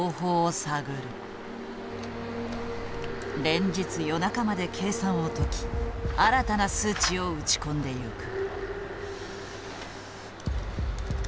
連日夜中まで計算を解き新たな数値を打ち込んでゆく。